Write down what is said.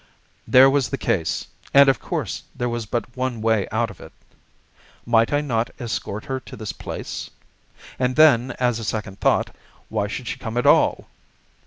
There was the case, and of course there was but one way out of it. Might I not escort her to this place? And then, as a second thought, why should she come at all?